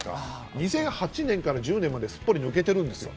２００８年から１０年まですっぽり抜けている。